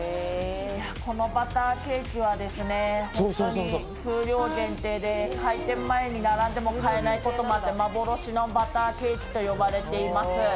このバターケーキは本当に数量限定で開店前に並んでも買えないこともあって幻のバターケーキと呼ばれています。